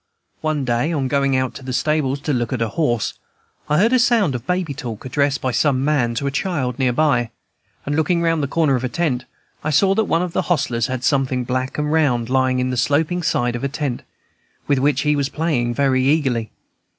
One day, on going out to the stables to look at a horse, I heard a sound of baby talk, addressed by some man to a child near by, and, looking round the corner of a tent, I saw that one of the hostlers had something black and round, lying on the sloping side of a tent, with which he was playing very eagerly.